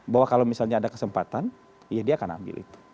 bahwa kalau misalnya ada kesempatan ya dia akan ambil itu